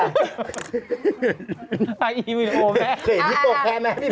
อายีวิโฮแม่ขึ้นอยู่ที่โปรแคมห์ไหม